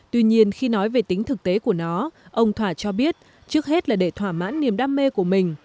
tuy nhiên khi nói về tính thực tế của nó ông thỏa cho biết trước hết là để thỏa mãn niềm đam mê của mình